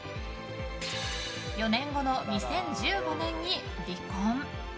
４年後の２０１５年に離婚。